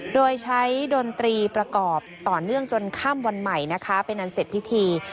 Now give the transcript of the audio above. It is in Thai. โดยใช้ดนตรีประกอบต่อเนื่องจนค่ำวันใหม่นะคะเป็นอันเสร็จพิธี